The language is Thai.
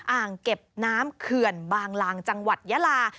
อ่างเก็บน้ำเขื่อนบางลางจังหวัดยาลา